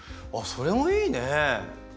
それもいいね！